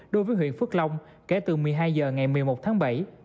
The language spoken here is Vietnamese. đối với huyện phước long kể từ một mươi hai h ngày một mươi một tháng bảy